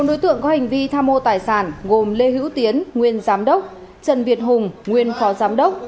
bốn đối tượng có hành vi tham mô tài sản gồm lê hữu tiến nguyên giám đốc trần việt hùng nguyên phó giám đốc